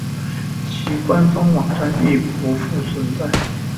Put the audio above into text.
其官方网站亦不复存在。